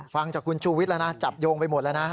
ฟังจากคุณชูวิทย์แล้วนะจับโยงไปหมดแล้วนะ